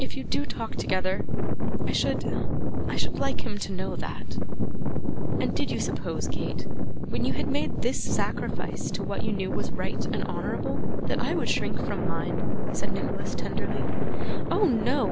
If you do talk together, I should I should like him to know that.' 'And did you suppose, Kate, when you had made this sacrifice to what you knew was right and honourable, that I should shrink from mine?' said Nicholas tenderly. 'Oh no!